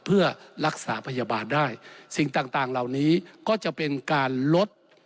เพื่อรักษาพยาบาลได้สิ่งต่างต่างเหล่านี้ก็จะเป็นการลด